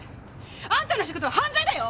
あんたのしたことは犯罪だよ！